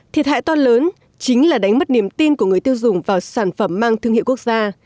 thiệt hại to lớn chính là đánh mất niềm tin của người tiêu dùng vào sản phẩm mang thương hiệu quốc gia